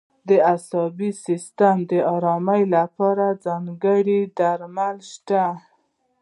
د عصبي سیستم د آرامۍ لپاره ځانګړي درمل شته.